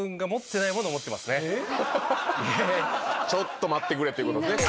ちょっと待ってくれっていうことですね。